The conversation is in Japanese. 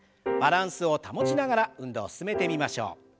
バランスを保ちながら運動を進めてみましょう。